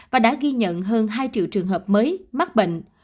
và đã ghi nhận hơn hai triệu trường hợp mới mắc bệnh